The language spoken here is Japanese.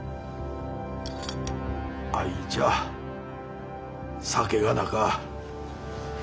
あいちゃ酒がなか。